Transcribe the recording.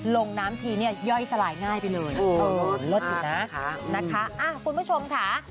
ลงน้ำทีเนี่ยย่อยสลายง่ายไปเลยเลิศอยู่นะนะคะคุณผู้ชมค่ะ